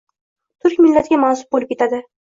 Turk millatiga mansub boʻlib ketadi.